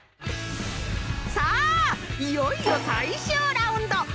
さあいよいよ最終ラウンド。